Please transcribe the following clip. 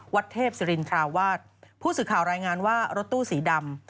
วัดเทพศิรินทราวาสผู้สื่อข่าวรายงานว่ารถตู้สีดำ